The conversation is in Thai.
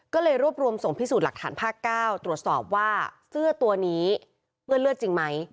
ก็เลยรวบรวมส่งพิสูจน์หลักฐานภาค๙ตรวจสอบว่าเสื้อตัวนี้เปื้อนเลือดจริงไหม